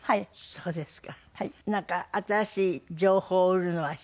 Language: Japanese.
そうですか。